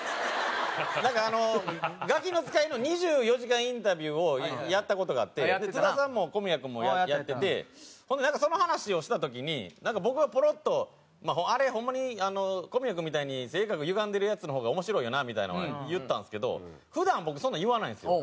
なんかあの『ガキの使い』の２４時間インタビューをやった事があって津田さんも小宮君もやっててほんでなんかその話をした時になんか僕がポロッと「あれホンマに小宮君みたいに性格ゆがんでるヤツの方が面白いよな」みたいなのは言ったんですけど普段僕そんなん言わないんですよ。